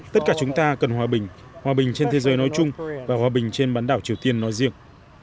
tất cả chúng ta cần hòa bình hòa bình trên thế giới nói chung và hòa bình trên bán đảo triều tiên nói riêng